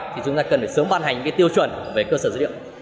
thì chúng ta cần sớm bàn hành tiêu chuẩn về cơ sở dữ liệu